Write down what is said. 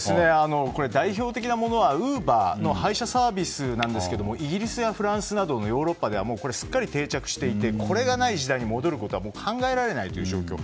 代表的なものはＵｂｅｒの配車サービスなんですがイギリスやフランスなどヨーロッパではもうすっか定着していてこれがない時代に戻ることは考えらえれないという状況。